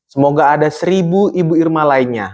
semoga ada seribu ibu irma lainnya